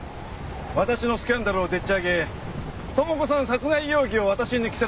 私のスキャンダルをでっちあげ朋子さん殺害容疑を私に着せたのを